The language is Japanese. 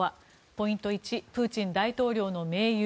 ポイント１プーチン大統領の盟友